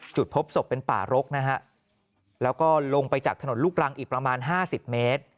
จุดพบศพเป็นป่ารกนะฮะแล้วก็ลงไปจากถนนลูกรังอีกประมาณ๕๐เมตร